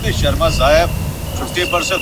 نظري پوهان خپلې موندنې نورو ته سپاري.